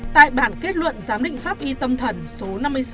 tại bản kết luận giám định pháp y tâm thần số năm mươi sáu